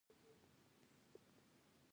آیا د ایران بریښنا شبکه پراخه نه ده؟